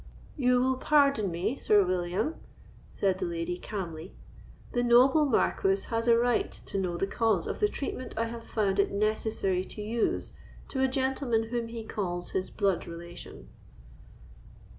"You will pardon me, Sir William," said the lady, calmly; "the noble Marquis has a right to know the cause of the treatment I have found it necessary to use to a gentleman whom he calls his blood relation."